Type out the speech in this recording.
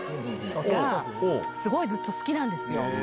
が、すごいずっと好きなんですよ。